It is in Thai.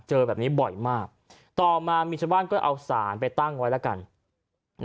เจอแบบนี้บ่อยมากต่อมามีชาวบ้านก็เอาสารไปตั้งไว้แล้วกัน